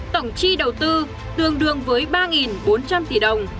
tổng chi đầu tư tương đương với ba bốn trăm linh tỷ đồng